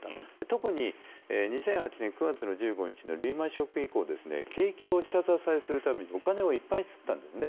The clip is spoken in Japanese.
特に２００８年９月１５日のリーマン・ショック以降景気を下支えするためにお金をいっぱい刷ったんですね。